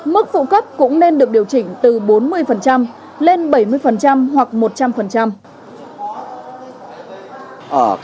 mức phụ cấp cũng nên được điều chỉnh từ bốn mươi lên bảy mươi hoặc một trăm linh